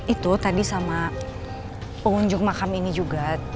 itu tadi sama pengunjung makam ini juga